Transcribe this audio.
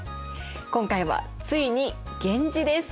今回はついに源氏です。